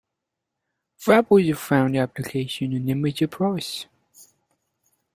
Fractals have found applications in image processing.